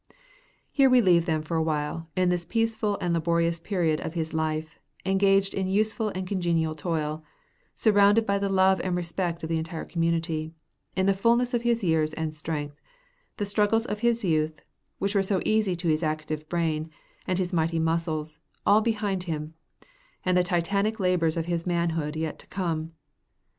Here we leave him for a while, in this peaceful and laborious period of his life; engaged in useful and congenial toil; surrounded by the love and respect of the entire community; in the fullness of his years and strength; the struggles of his youth, which were so easy to his active brain and his mighty muscles, all behind him, and the titanic labors of his manhood yet to come.